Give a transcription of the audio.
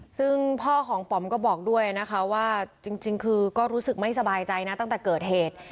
ซึ่งพ่อของป๋อมก็บอกด้วยนะคะว่าจริงคือก็รู้สึกไม่สบายใจนะตั้งแต่เกิดเหตุ